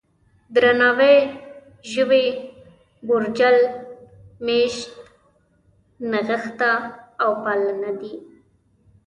درناوی، ژوي، بورجل، مېشت، نغښته او پالنه دي.